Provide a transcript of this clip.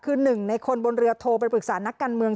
คือหนึ่งในคนบนเรือโทรไปปรึกษานักการเมือง